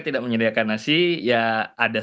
tidak menyediakan nasi ya ada